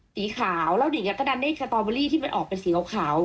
สีขาวแล้วเด็กก็ดันได้สตอเบอรี่ที่มันออกเป็นสีขาว